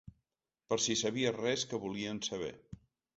Per si sabies res que volien saber.